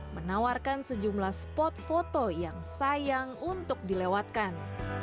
menawarkan sejumlah spot foto yang sayang untuk dilewatkan